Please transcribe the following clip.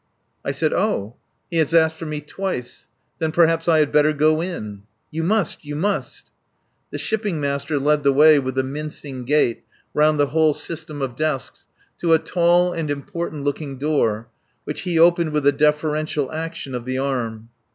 I said: "Oh! He has asked for me twice. Then perhaps I had better go in." "You must! You must!" The Shipping Master led the way with a mincing gait around the whole system of desks to a tall and important looking door, which he opened with a deferential action of the arm.